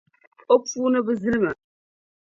O puuni bi zilima.